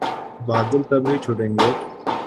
بادل تب ہی چھٹیں گے۔